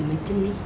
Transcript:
ya begini nih